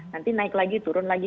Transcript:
nanti naik lagi turun lagi